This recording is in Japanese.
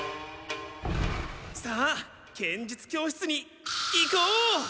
さあ剣術教室に行こう！